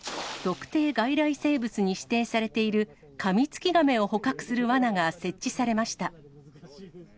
特定外来生物に指定されているカミツキガメを捕獲するわなが設置されました。